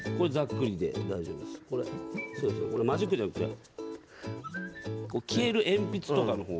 マジックじゃなくて消える鉛筆とかの方が。